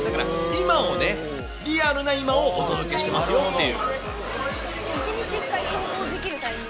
だから、今をね、リアルな今をお届けしてますよっていう。